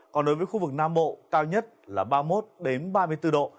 còn đối với khu vực nam bộ cao nhất là ba mươi một ba mươi bốn độ